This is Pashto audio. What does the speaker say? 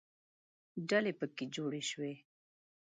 ډلې پکې جوړې شوې.